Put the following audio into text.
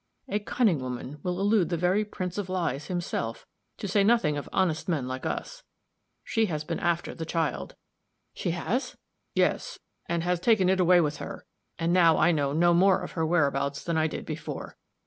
A cunning woman will elude the very Prince of Lies, himself, to say nothing of honest men like us. She has been after the child." "She has?" "Yes. And has taken it away with her. And now I know no more of her whereabouts than I did before.